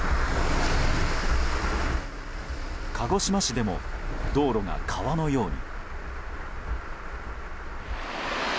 鹿児島市でも道路が川のように。